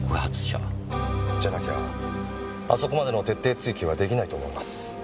じゃなきゃあそこまでの徹底追及は出来ないと思います。